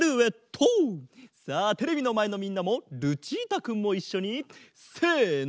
さあテレビのまえのみんなもルチータくんもいっしょにせの！